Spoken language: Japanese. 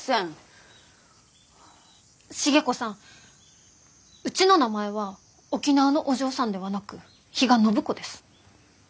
重子さんうちの名前は「沖縄のお嬢さん」ではなく比嘉暢子です。